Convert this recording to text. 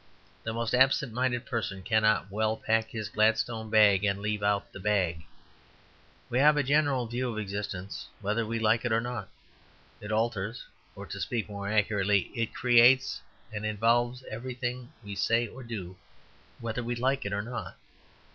The most absent minded person cannot well pack his Gladstone bag and leave out the bag. We have a general view of existence, whether we like it or not; it alters or, to speak more accurately, it creates and involves everything we say or do, whether we like it or not.